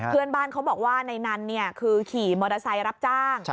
เพื่อนบ้านเขาบอกว่าในนั้นคือขี่มอเตอร์ไซค์รับจ้าง